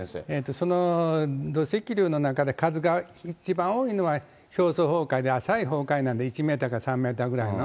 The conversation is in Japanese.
その土石流の中で、数が一番多いのは表層崩壊で、浅い崩壊なんで、１メーターか３メーターぐらいの。